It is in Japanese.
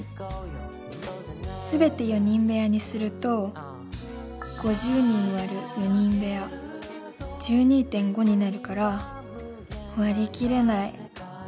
すべて４人部屋にすると５０人割る４人部屋１２．５になるから割り切れない。